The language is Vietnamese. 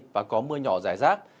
và có mưa nhỏ rải rác